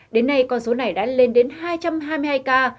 đến nay con số này đã lên đến hai trăm hai mươi hai ca